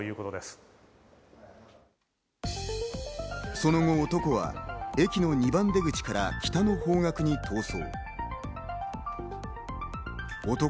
その後、男は駅の２番出口から北の方角に逃走。